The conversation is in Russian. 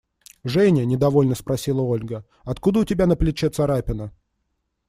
Женя, – недовольно спросила Ольга, – откуда у тебя на плече царапина?